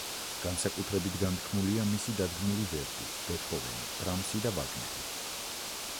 განსაკუთრებით განთქმულია მისი დადგმული ვერდი, ბეთჰოვენი, ბრამსი და ვაგნერი.